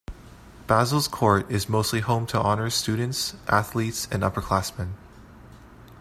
Basil's Court is mostly home to honors students, athletes, and upperclassmen.